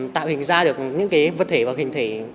tạo hình ra được những cái vật thể và hình thể